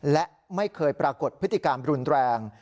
และไม่เคยปรากฏพฤติกรรมรุนแรง